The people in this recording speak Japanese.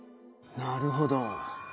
なるほど。